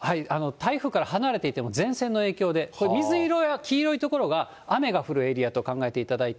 台風から離れていても、前線の影響で、水色や黄色い所が、雨が降るエリアと考えていただい